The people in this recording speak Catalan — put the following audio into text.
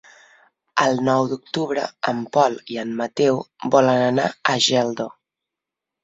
El nou d'octubre en Pol i en Mateu volen anar a Geldo.